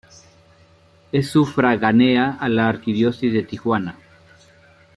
Es sufragánea a la Arquidiócesis de Tijuana.